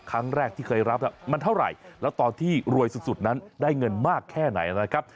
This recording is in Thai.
ครั้งแรกที่เคยรับมันเท่าไหร่แล้วตอนที่รวยสุดนั้นได้เงินมากแค่ไหนนะครับ